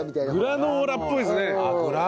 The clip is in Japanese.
グラノーラっぽいですね。